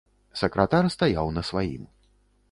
Сакратар стаяў на сваім.